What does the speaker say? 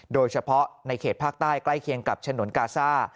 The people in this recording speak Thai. โดยเฉพาะในเขตภาคใต้ใกล้เคียงกับฉนวนกาซ่า